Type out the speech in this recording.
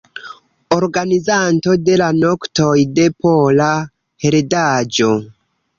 Organizanto de la Noktoj de Pola Heredaĵo.